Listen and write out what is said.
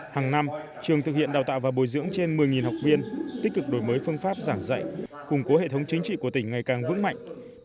hàng năm trường thực hiện đào tạo và bồi dưỡng trên một mươi học viên tích cực đổi mới phương pháp giảng dạy củng cố hệ thống chính trị của tỉnh ngày càng vững mạnh